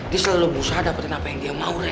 dia selalu berusaha dapetin apa yang dia mau re